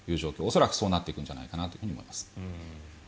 恐らくそうなっていくんじゃないかなと思います。